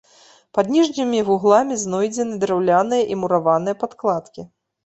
Пад ніжнімі вугламі знойдзены драўляныя і мураваныя падкладкі.